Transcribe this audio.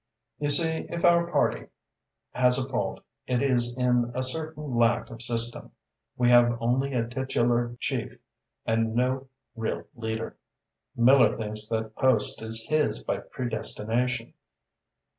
"You see, if our party has a fault, it is in a certain lack of system. We have only a titular chief and no real leader. Miller thinks that post is his by predestination.